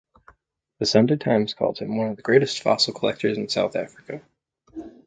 The "Sunday Times" called him "one of the greatest fossil collectors in South Africa".